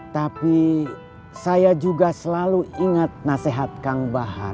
tapi saya juga selalu ingat nasihat kang bahar